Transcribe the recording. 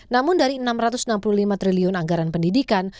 namun dari enam ratus enam puluh lima triliun anggaran pendidikan